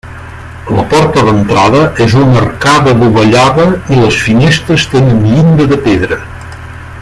La porta d'entrada és una arcada dovellada i les finestres tenen llinda de pedra.